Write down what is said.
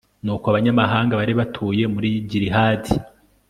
nuko abanyamahanga bari batuye muri gilihadi